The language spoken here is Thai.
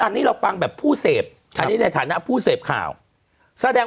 อันนี้เราฟังแบบผู้เสพอันนี้ในฐานะผู้เสพข่าวแสดง